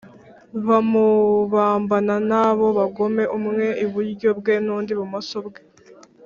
Bamubambana n’abo bagome umwe iburyo bwe undi ibimoso bwe